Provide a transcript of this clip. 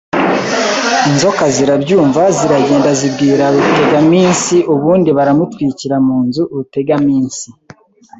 Inzoka zirabyumva ziragenda zibwira Rutegaminsi ubundi baramutwikira mu nzu Rutegaminsi